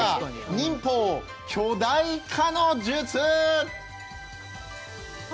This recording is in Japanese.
忍法巨大化の術！